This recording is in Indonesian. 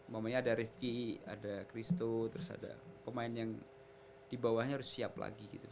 pemainnya ada rifqi adam cristo terus ada pemain yang di bawahnya harus siap lagi gitu